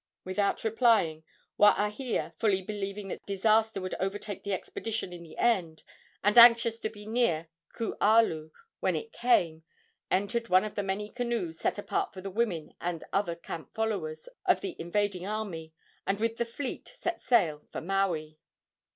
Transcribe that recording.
Without replying, Waahia, fully believing that disaster would overtake the expedition in the end, and anxious to be near Kualu when it came, entered one of the many canoes set apart for the women and other camp followers of the invading army, and with the fleet set sail for Maui.